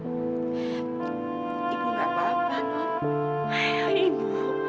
ibu tidak apa apa ma